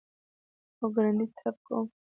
هو، ګړندی ټایپ کوم